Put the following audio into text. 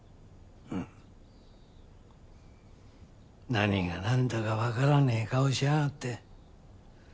何がなんだかわからねえ顔しやがって。